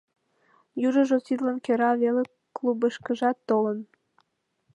Южыжо тидлан кӧра веле клубышкыжат толын.